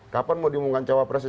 kapan mau diumumkan cawapresnya